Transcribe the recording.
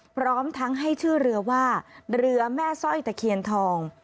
พร้อมทั้งให้ชื่อเรือว่าเรือแม่สร้อยตะเคียนทอง